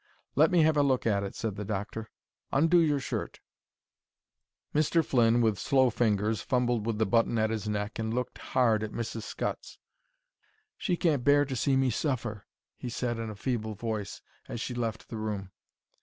"Let me have a look at it," said the doctor. "Undo your shirt." Mr. Flynn, with slow fingers, fumbled with the button at his neck and looked hard at Mrs. Scutts. "She can't bear to see me suffer," he said, in a feeble voice, as she left the room.